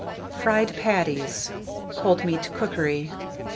FRIED PATTIES (Cold Meat Cookery).